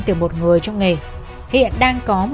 từ một người trong nghề hiện đang có một